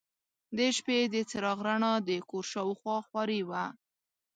د شپې د څراغ رڼا د کور شاوخوا خورې وه.